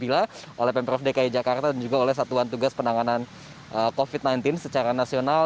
bila oleh pemprov dki jakarta dan juga oleh satuan tugas penanganan covid sembilan belas secara nasional